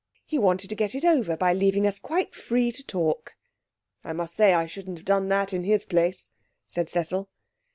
He wanted to get it over by leaving us quite free to talk.' 'I must say I shouldn't have done that in his place,' said Cecil.